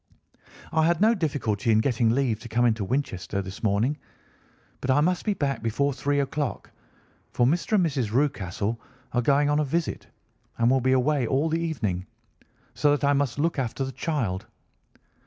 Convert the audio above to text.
I had no difficulty in getting leave to come into Winchester this morning, but I must be back before three o'clock, for Mr. and Mrs. Rucastle are going on a visit, and will be away all the evening, so that I must look after the child.